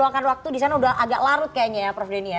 luangkan waktu di sana udah agak larut kayaknya ya prof denny ya